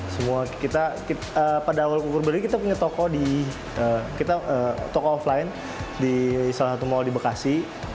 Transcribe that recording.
semua kita pada awal kukur beli kita punya toko offline di salah satu mall di bekasi